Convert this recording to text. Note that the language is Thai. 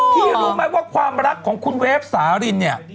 แค่นี้ใครแบบนี้เนี่ย